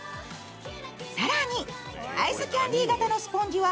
更に、アイスキャンディー型のスポンジは